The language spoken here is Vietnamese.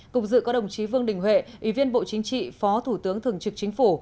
cùng dự có đồng chí vương đình huệ ủy viên bộ chính trị phó thủ tướng thường trực chính phủ